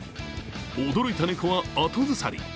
驚いた猫は後ずさり。